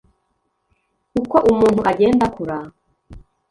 uko umuntu agenda akura